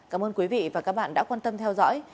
cảm ơn quý vị và các bạn đã quan tâm theo dõi